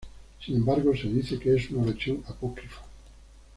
Sin embargo, se dice que es una versión apócrifa.